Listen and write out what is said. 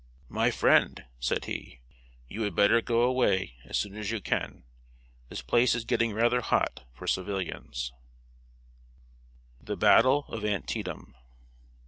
"My friend," said he, "you had better go away as soon as you can; this place is getting rather hot for civilians." [Sidenote: THE BATTLE OF ANTIETAM.